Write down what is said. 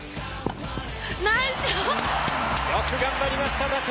よく頑張りました伊達！